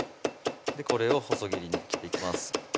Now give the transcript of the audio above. これを細切りに切っていきます